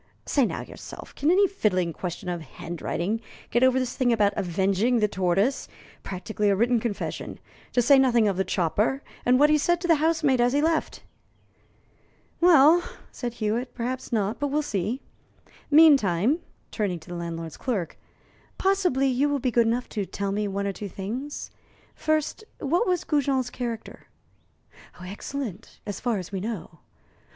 Say now yourself, can any fiddling question of handwriting get over this thing about 'avenging the tortoise' practically a written confession to say nothing of the chopper, and what he said to the housemaid as he left?" "Well," said Hewitt, "perhaps not; but we'll see. Meantime" turning to the landlord's clerk "possibly you will be good enough to tell me one or two things. First, what was Goujon's character?" "Excellent, as far as we know.